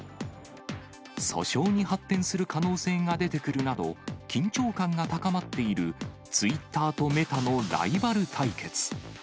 訴訟に発展する可能性が出てくるなど、緊張感が高まっているツイッターとメタのライバル対決。